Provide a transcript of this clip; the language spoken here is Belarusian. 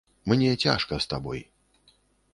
Мне цяжка з табой.